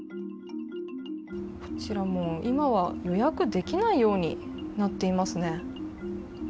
こちら、もう今は予約できないようになっています。